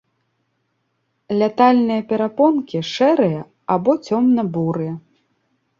Лятальныя перапонкі шэрыя або цёмна-бурыя.